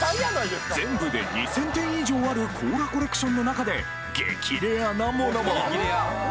全部で２０００点以上あるコーラコレクションの中で激レアなものも！